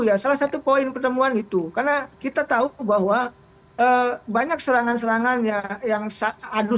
ya salah satu poin pertemuan itu karena kita tahu bahwa banyak serangan serangan yang adu